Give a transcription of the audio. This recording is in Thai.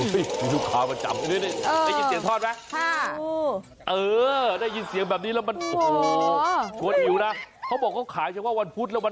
มีลูกค้าประจำนี่ได้ยินเสียงทอดไหม